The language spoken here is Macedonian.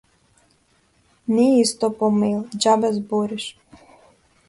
Не е исто по мејл, џабе збориш.